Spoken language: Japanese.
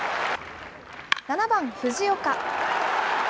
７番藤岡。